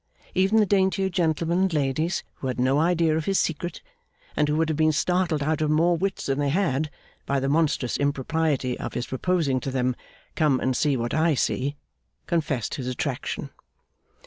Even the daintier gentlemen and ladies who had no idea of his secret, and who would have been startled out of more wits than they had, by the monstrous impropriety of his proposing to them 'Come and see what I see!' confessed his attraction.